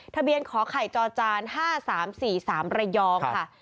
ทะเบียนขอไขจอจาน๕๓๔๓ระยองค่ะ